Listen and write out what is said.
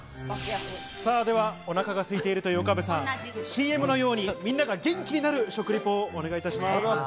ではお腹がすいているという岡部さん、ＣＭのように皆が元気になる食リポをお願いいたします。